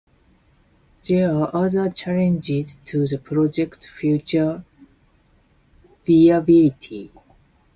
There are other challenges to the project's future viability.